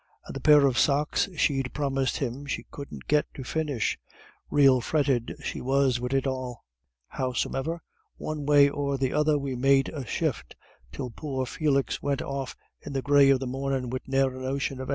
And the pair of socks she'd promised him she couldn't get to finish rael fretted she was wid it all. Howsome'er one way or the other we made a shift, till poor Felix went off in the grey of the mornin' wid ne'er a notion of anythin'.